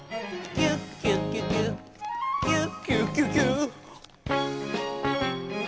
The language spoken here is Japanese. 「キュキュキュキュキュキュキュキュ」